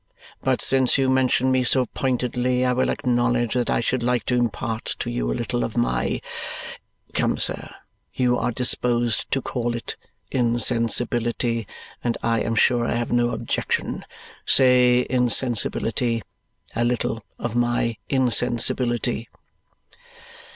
But since you mention me so pointedly, I will acknowledge that I should like to impart to you a little of my come, sir, you are disposed to call it insensibility, and I am sure I have no objection say insensibility a little of my insensibility."